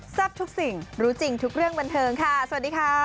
ทุกสิ่งรู้จริงทุกเรื่องบันเทิงค่ะสวัสดีค่ะ